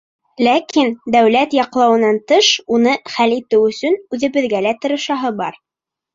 Ләкин, дәүләт яҡлауынан тыш, уны хәл итеү өсөн үҙебеҙгә лә тырышаһы бар.